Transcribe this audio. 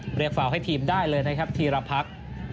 เรียกฟาวให้ทีมได้เลยนะครับธีรพรรค